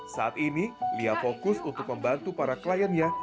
saat ini lia fokus untuk membantu para kliennya